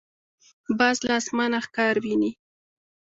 باز له اسمانه ښکار ویني.